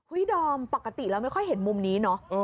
ดอมปกติเราไม่ค่อยเห็นมุมนี้เนอะ